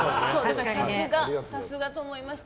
さすがと思いました。